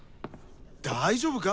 大丈夫か？